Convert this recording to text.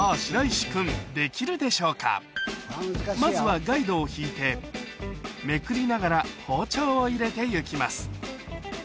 さぁまずはガイドをひいてめくりながら包丁を入れて行きます